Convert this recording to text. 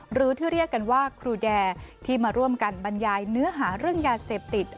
หรือที่เรียกกันว่าครูแดที่มาร่วมกันบรรยายเนื้อหาเรื่องยาเสพติด